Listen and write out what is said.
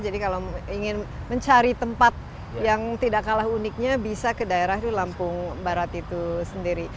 jadi kalau ingin mencari tempat yang tidak kalah uniknya bisa ke daerah di lampung barat itu sendiri